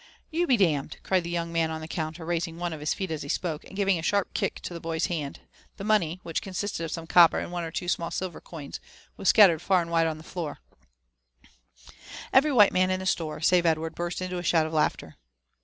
" You be d — d 1" cried the young man on the counter, raising one of his feet as he spoke, and giving a sharp kick to the boy's hand, the money, which consisted of some copper and one or two small silver coins, was scattered far and wide on the floor. 98 LIFE AND ADVENTURES OF Every white man in the store, save Edward, burst into a shout of laughter.